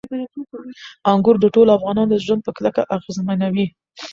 انګور د ټولو افغانانو ژوند په کلکه اغېزمنوي.